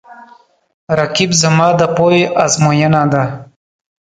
رقیب زما د پوهې آزموینه ده